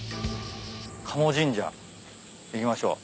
「賀茂神社」行きましょう。